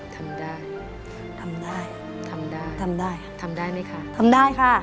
ทำได้ทำได้ทำได้ทำได้ทำได้ไหมคะทำได้ค่ะ